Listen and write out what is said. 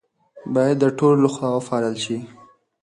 باید د ټولو لخوا وپالل شي.